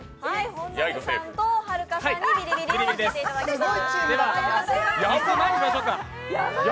本並さんとはるかさんにビリビリを受けてもらいます。